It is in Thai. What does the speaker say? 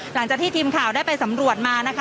หลังจากที่ทีมข่าวได้ไปสำรวจมานะคะ